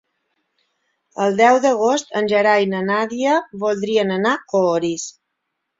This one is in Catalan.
El deu d'agost en Gerai i na Nàdia voldrien anar a Orís.